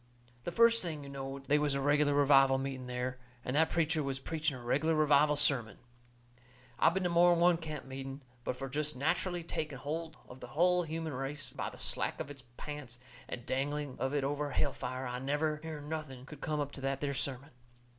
The first thing you knowed they was a reg'lar revival meeting there, and that preacher was preaching a reg'lar revival sermon. I been to more'n one camp meeting, but fur jest natcherally taking holt of the hull human race by the slack of its pants and dangling of it over hell fire, I never hearn nothing could come up to that there sermon.